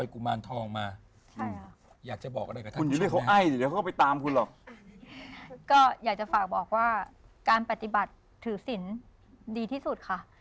ก็อยากจะฝากบอกว่าการปฏิบัติถือศิลป์ดีที่สุดค่ะ